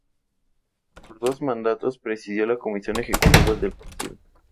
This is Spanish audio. Por dos mandatos presidió la Comisión Ejecutiva del partido.